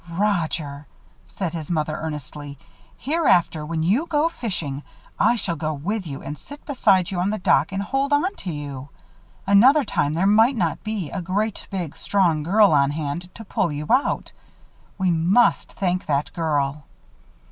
"Roger," said his mother, earnestly, "hereafter, when you go fishing, I shall go with you and sit beside you on the dock and hold on to you. Another time there might not be a great big, strong girl on hand to pull you out. We must thank that girl."